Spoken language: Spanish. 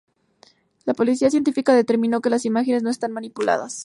La policía científica determinó que las imágenes no estaban manipuladas.